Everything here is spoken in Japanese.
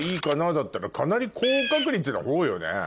だったらかなり高確率なほうよね？